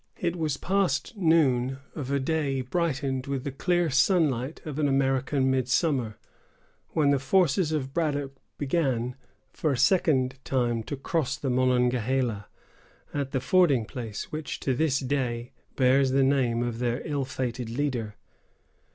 It was past noon of a day brightened with the clear sunlight of an American midsummer, when the forces of Braddock began, for a second time, to cross the Monongahela, at the fording place, which to this day bears the name of their ill fated leader.